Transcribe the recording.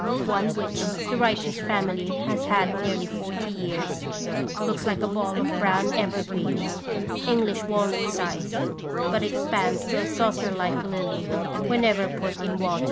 One which the writer's family has had nearly forty years, looks like a ball of brown evergreen, English walnut size, but expands to a saucer like lily whenever put in water.